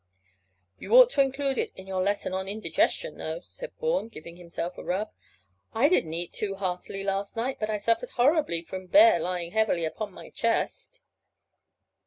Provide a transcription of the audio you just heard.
"You ought to include it in your lesson on indigestion, though," said Bourne, giving himself a rub. "I didn't eat too heartily last night, but I suffered horribly from bear lying heavily upon my chest."